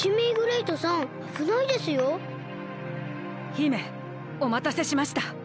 姫おまたせしました。